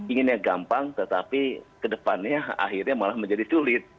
inginnya gampang tetapi ke depannya akhirnya malah menjadi sulit